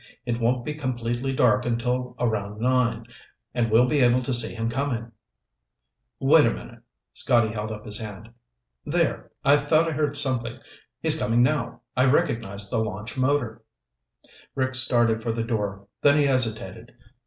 "It won't be completely dark until around nine, and we'll be able to see him coming." "Wait a minute." Scotty held up his hand. "There. I thought I heard something. He's coming now. I recognize the launch motor." Rick started for the door, then he hesitated.